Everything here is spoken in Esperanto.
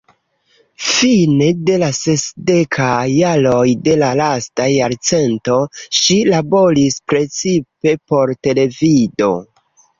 Fine de la sesdekaj jaroj de la lasta jarcento ŝi laboris precipe por televido.